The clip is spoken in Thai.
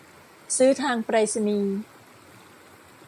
ซื้อทางไปรษณีย์